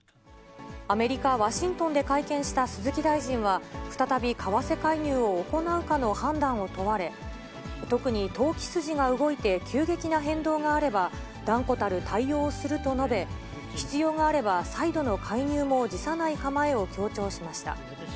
アメリカ・ワシントンで会見した鈴木大臣は、再び為替介入を行うかの判断を問われ、特に投機筋が動いて急激な変動があれば、断固たる対応をすると述べ、必要があれば再度の介入も辞さない構えを強調しました。